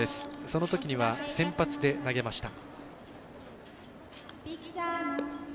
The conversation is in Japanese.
そのときには先発で投げました。